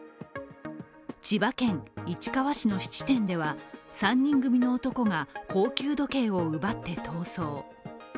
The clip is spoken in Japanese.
千葉県市川市の質店では３人組の男が高級時計を奪って逃走。